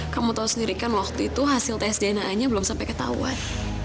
kamu tahu sendiri kan waktu itu hasil tes dna nya belum sampai ketahuan